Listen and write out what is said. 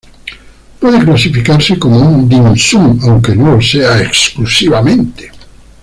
Puede clasificarse como un "dim sum", aunque no lo sea exclusivamente.